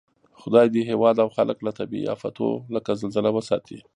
خدای دې هېواد او خلک له طبعي آفتو لکه زلزله وساتئ